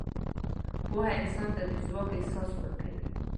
پوهه انسان ته د ځواک احساس ورکوي.